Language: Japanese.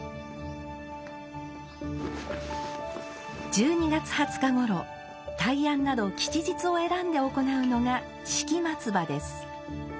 １２月２０日ごろ大安など吉日を選んで行うのが敷松葉です。